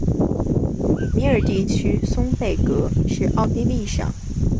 米尔地区松贝格是奥地利上奥地利州乌尔法尔城郊县的一个市镇。